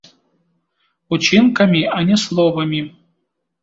Учынкамі, а не словамі.